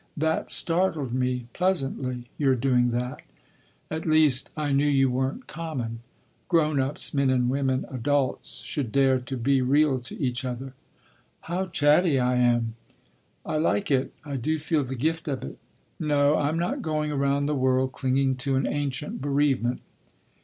That startled me pleasantly—your doing that. At least, I knew you weren’t common. Grown ups—men and women adults—should dare to be real to each other. How chatty I am—" "I like it. I do feel the gift of it—" "No, I’m not going around the world clinging to an ancient bereavement....